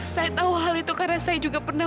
saya tahu hal itu karena saya juga pernah